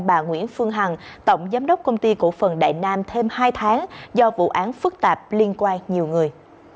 bà nguyễn phương hằng tổng giám đốc công ty cổ phần đại nam thêm hai tháng do vụ án phức tạp liên quan nhiều người